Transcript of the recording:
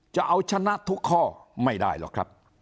จะเอาชนะทุกข้อไม่ได้หรอกครับ